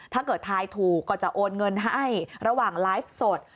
ทายถูกก็จะโอนเงินให้ระหว่างไลฟ์สด